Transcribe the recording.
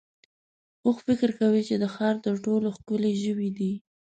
اوښ فکر کوي چې د ښار تر ټولو ښکلی ژوی دی.